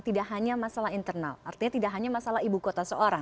tidak hanya masalah internal artinya tidak hanya masalah ibu kota seorang